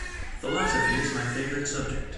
Philosophy is my favorite subject.